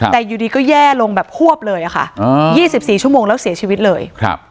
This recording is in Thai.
แต่อยู่ดีก็แย่ลงแบบควบเลยอะค่ะ๒๔ชั่วโมงแล้วเสียชีวิตเลย